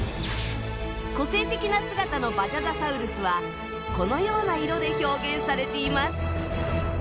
個性的な姿のバジャダサウルスはこのような色で表現されています。